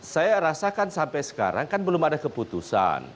saya rasakan sampai sekarang kan belum ada keputusan